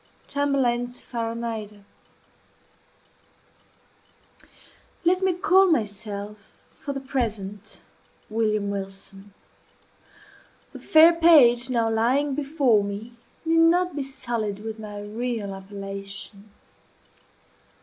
CHAMBERLAYNE: Pharronida Let me call myself, for the present, William Wilson. The fair page now lying before me need not be sullied with my real appellation.